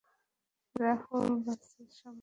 রাহুল, বাসের সময় হয়ে যাচ্ছে।